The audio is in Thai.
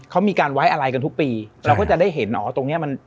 เขามีการไว้อะไรกันทุกปีเราก็จะได้เห็นอ๋อตรงเนี้ยมัน